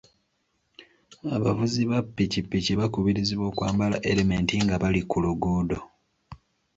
Abavuzi ba piki piki bakubirizibwa okwambala elementi nga bali ku luguudo